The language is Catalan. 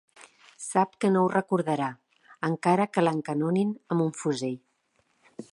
Sap que no ho recordarà, encara que l'encanonin amb un fusell.